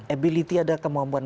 ability ada kemampuan